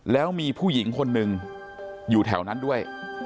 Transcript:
แล้วมีผู้หญิงคนหนึ่งอยู่แถวนั้นด้วย